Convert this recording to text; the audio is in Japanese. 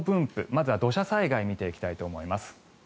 まずは土砂災害を見ていきたいと思います。